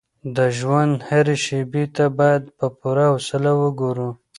د ژوند هرې شېبې ته باید په پوره حوصله وګورو.